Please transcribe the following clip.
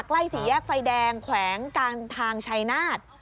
ใกล้สี่แยกไฟแดงแขวงการทางชัยนาธ